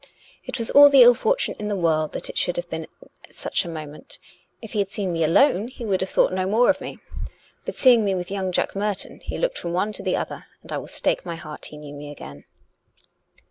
It was all the ill for tune in the world that it should be at such moment; if he had seen me alone he would have thought no more of me; but seeing me with young Jack Merton, he looked from one to the other. And I will stake my hat he knew me again."